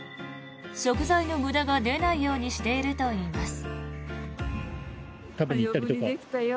食材の無駄が出ないようにしているといいます。